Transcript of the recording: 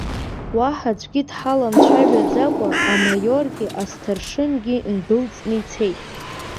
Уаҳа аӡәгьы дҳаламцәажәаӡакәа, амаиоргьы асҭаршынгьы ндәылҵны ицеит.